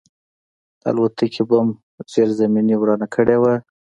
د الوتکې بم زیرزمیني ورانه کړې وه